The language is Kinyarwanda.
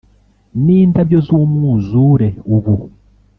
n'indabyo z'umwuzure ubu.